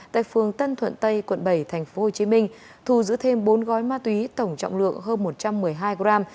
tại phường tân thuận tây quận bảy tp hcm thu giữ thêm bốn gói ma túy tổng trọng lượng hơn một trăm một mươi hai gram